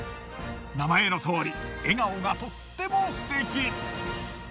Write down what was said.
名前のとおり笑顔がとってもすてき。